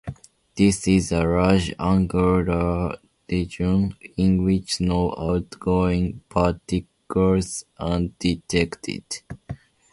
This is a large angular region in which no outgoing particles are detected.